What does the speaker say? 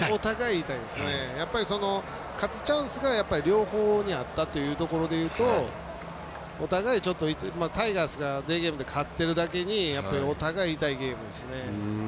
やっぱり、勝つチャンスが両方にあったというところでいうとお互いタイガースがデーゲームで勝ってるだけにお互い痛いゲームですね。